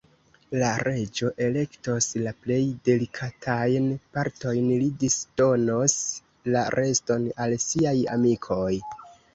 La Reĝo elektos la plej delikatajn partojn; li disdonos la reston al siaj amikoj.